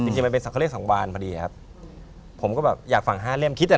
แสดงว่าผมก็ถามหมอว่า